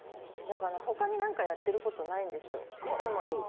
他に何かやってることないんですよ。